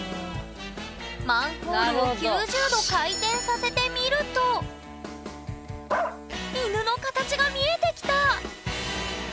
マンホールを９０度回転させてみると犬の形が見えてきた！